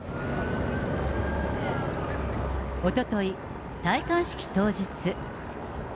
おととい、戴冠式当日。